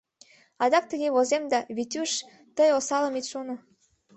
Адак тыге возем да, Витюш, тый осалым ит шоно.